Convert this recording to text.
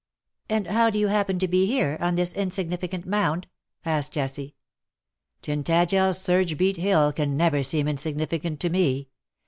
''^ "And how do you happen to be here — on this insignificant mound T' asked Jessie. " Tintagel's surge beat hill can never seem in significant to me.